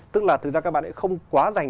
tức là thực ra các bạn ấy không quá dành